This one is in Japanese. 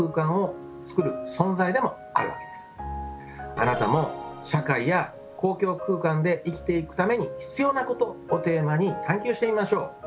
あなたも「社会や公共空間で生きていくために必要なこと」をテーマに探究してみましょう。